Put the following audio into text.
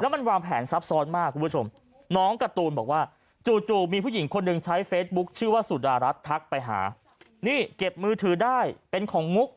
แล้วมันวางแผนซับซ้อนมากคุณผู้ชมน้องการ์ตูนบอกว่าจู่มีผู้หญิงคนหนึ่งใช้เฟซบุ๊คชื่อว่าสุดารัฐทักไปหานี่เก็บมือถือได้เป็นของมุก